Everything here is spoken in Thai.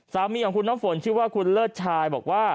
สามีของคุณน้ำฝนชื่อว่าคุณเลิศชายบอกว่า